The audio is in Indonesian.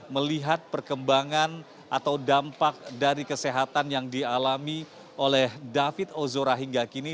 melihat perkembangan atau dampak dari kesehatan yang dialami oleh david ozora hingga kini